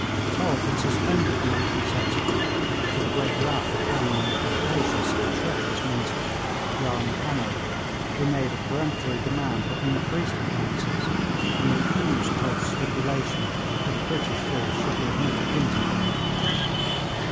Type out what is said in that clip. Todd had suspended the monthly subsidy, to the great wrath of Kamran's rapacious and treacherous minister Yar Mahomed, who made a peremptory demand for increased advances, and refused Todd's stipulation that a British force should be admitted into Herat.